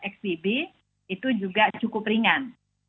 kita xbb itu juga cukup ringan